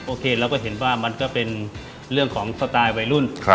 โอเคเราก็เห็นว่ามันก็เป็นเรื่องของสไตล์วัยรุ่น